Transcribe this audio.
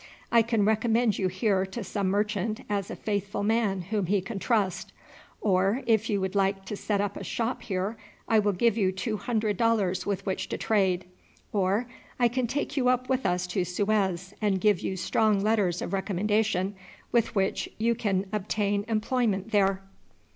"I can recommend you here to some merchant as a faithful man whom he can trust, or if you would like to set up a shop here I will give you two hundred dollars with which to trade. Or I can take you up with us to Suez and give you strong letters of recommendation with which you can obtain employment there."